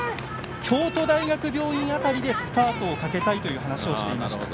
京都大学病院辺りでスパートをかけたいという話をしていました。